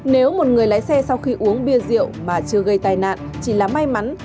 nếu một người lái xe sau khi uống bia rượu mà chưa gây tai nạn chỉ là may mắn